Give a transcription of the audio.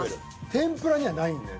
天ぷらにはないのよ